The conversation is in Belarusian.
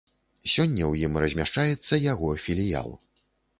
Сёння ў ім размяшчаецца яго філіял.